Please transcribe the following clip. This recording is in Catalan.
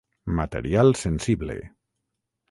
Material Sensible.